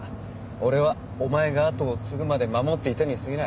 俺はお前が後を継ぐまで守っていたにすぎない。